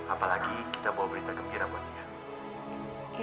apalagi kita bawa berita gembira buat dia